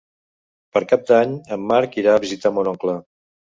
Per Cap d'Any en Marc irà a visitar mon oncle.